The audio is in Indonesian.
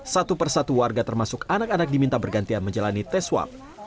satu persatu warga termasuk anak anak diminta bergantian menjalani tes swab